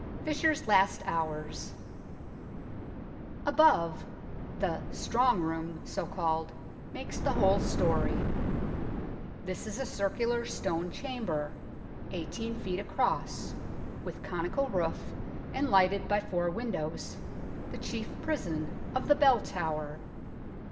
FISHBR'S LAST HOURS Above, the "Strong Room," so called, makes the whole storey. This is a circular stone chamber, 18 ft. across, with conical roof, and lighted by four windows the chief prison of the Bell Tower.